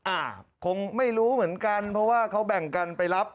อ่าคงไม่รู้เหมือนกันเพราะว่าเขาแบ่งกันไปรับ